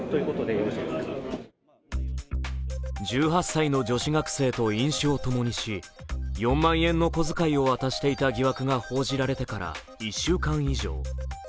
１８歳の女子学生と飲酒を共にし４万円の小遣いを渡していた疑惑が報じられてから１週間以上。